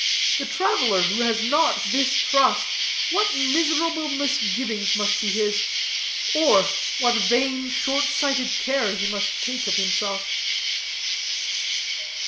The traveler who has not this trust, what miserable misgivings must be his; or, what vain, short sighted care must he take of himself."